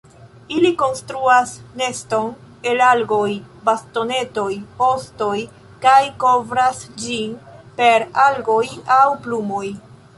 Ili konstruas neston el algoj, bastonetoj, ostoj kaj kovras ĝin per algoj aŭ plumoj.